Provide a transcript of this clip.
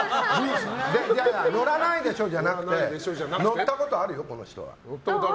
いやいや乗らないでしょじゃなくて乗ったことあるよ、この人は。